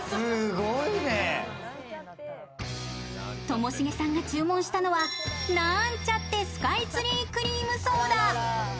ともしげさんが注文したのはなーんちゃってスカイツリー・クリームソーダ。